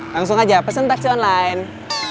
langsung aja pesan taksi online